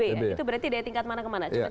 itu berarti dari tingkat mana ke mana